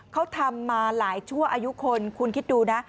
เขาทำมาหลายชั่วอายุคนคุณคิดดูนะ